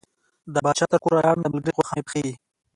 د پاچا تر کوره لاړم د ملګري غوښه مې پخیږي.